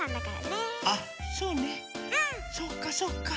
そうかそうか。